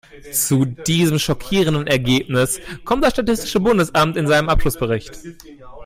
Zu diesem schockierenden Ergebnis kommt das statistische Bundesamt in seinem Abschlussbericht.